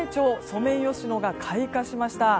ソメイヨシノが開花しました。